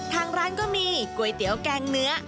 ทางร้านก็มีก๋วยเตี๋ยวแกงเนื้อ